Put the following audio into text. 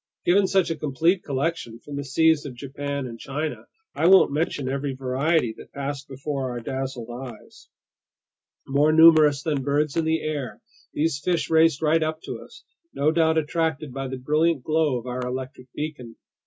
Given such a complete collection from the seas of Japan and China, I won't mention every variety that passed before our dazzled eyes. More numerous than birds in the air, these fish raced right up to us, no doubt attracted by the brilliant glow of our electric beacon.